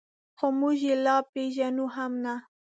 خو موږ یې لا پېژنو هم نه.